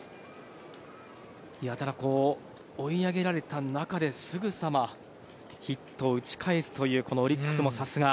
追い上げられた中でヒットを打ち返すというオリックスもさすが。